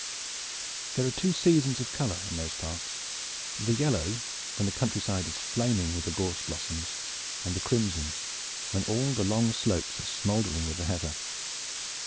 There are two seasons of color in those parts: the yellow, when the country side is flaming with the gorse blossoms, and the crimson, when all the long slopes are smoldering with the heather.